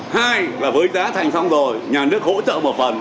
hai là với giá thành xong rồi nhà nước hỗ trợ một phần